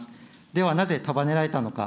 では、なぜ束ねられたのか。